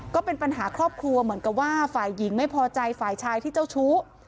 ก็เป็นปัญหาครอบครัวเหมือนกับว่าฝ่ายหญิงไม่พอใจฝ่ายชายที่เจ้าชู้